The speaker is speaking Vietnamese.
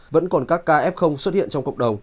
vẫn còn các ca f xuất hiện trong cộng đồng